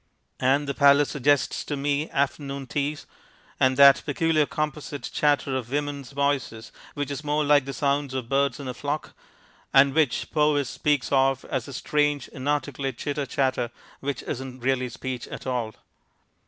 And the Palace suggests to me afternoon teas, and that peculiar composite chatter of women's voices which is more like the sound of birds in a flock, and which Powys speaks of as a strange inarticulate chitter chatter which isn't really speech at all.